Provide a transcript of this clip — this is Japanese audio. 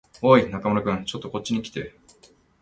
おーい、中村君。ちょっとこっちに来て。